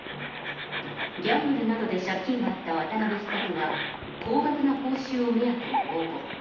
ギャンブルなどで借金があった渡邉被告は、高額な報酬を目当てに応募。